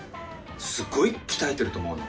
すごい鍛えてると思うの。